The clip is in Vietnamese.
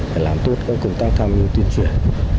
phải làm tốt các công tác tham dự tiên truyền